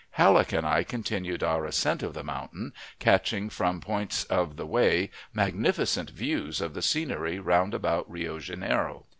Halleck and I continued our ascent of the mountain, catching from points of the way magnificent views of the scenery round about Rio Janeiro.